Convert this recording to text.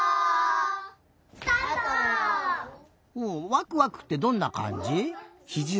うんわくわくってどんなかんじ？